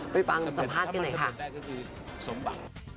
ไปบ้างสภาษณ์กันไหนค่ะ